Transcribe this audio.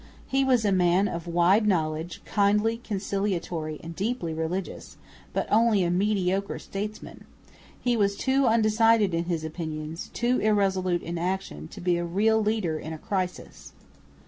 He was a man of wide knowledge, kindly, conciliatory, and deeply religious, but only a mediocre statesman. He was too undecided in his opinions, too irresolute in action, to be a real leader in a crisis.